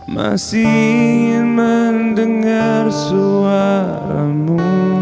masih ingin mendengar suaramu